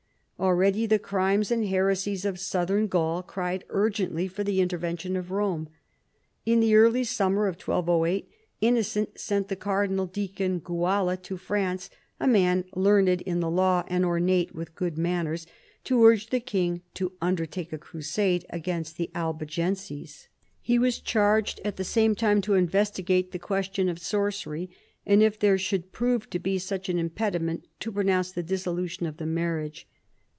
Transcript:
Already the crimes and heresies of Southern Gaul cried urgently for the intervention of Rome. In the early summer of 1208 Innocent sent the cardinal deacon Guala to France, a man " learned in the law and ornate with good manners," to urge the king to under take a crusade against the Albigenses. He was charged at the same time to investigate the question of sorcery, and if there should prove to be such an impediment to pronounce the dissolution of the marriage.